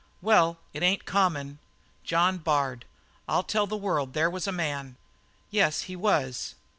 "Well, it ain't common. John Bard! I'll tell the world there was a man." "Yes, he was."